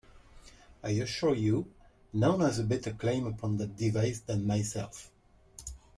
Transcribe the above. I assure you, none has a better claim upon that device than myself.